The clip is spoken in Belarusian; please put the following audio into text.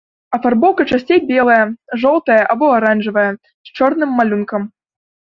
Афарбоўка часцей белая, жоўтая або аранжавая, з чорным малюнкам.